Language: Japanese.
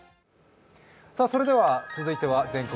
続いては「全国！